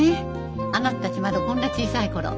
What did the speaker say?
あなたたちまだこんな小さい頃。